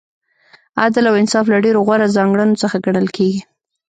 عدل او انصاف له ډېرو غوره ځانګړنو څخه ګڼل کیږي.